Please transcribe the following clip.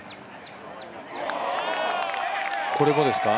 これもですか？